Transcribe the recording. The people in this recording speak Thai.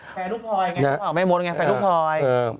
แผ่ลูกพลอยไงแผ่ลูกพลอยไม่มดไงแผ่ลูกพลอย